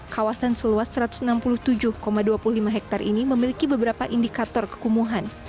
kawasan seluas satu ratus enam puluh tujuh dua puluh lima hektare ini memiliki beberapa indikator kekumuhan